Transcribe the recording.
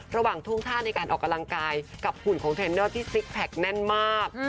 ระหว่างท่วงท่าในการออกกำลังกายกับหุ่นของเทรนเนอร์ที่ซิกแพคแน่นมาก